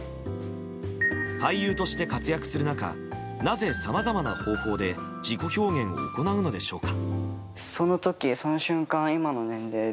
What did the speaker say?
俳優として活躍する中なぜ、さまざまな方法で自己表現を行うのでしょうか。